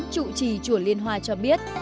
chủ trì chùa liên hoa cho biết